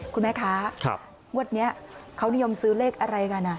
คุณแม่คะงวดนี้เขานิยมซื้อเลขอะไรกัน